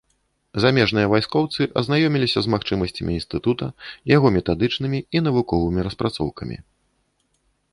Замежныя вайскоўцы азнаёміліся з магчымасцямі інстытута, яго метадычнымі і навуковымі распрацоўкамі.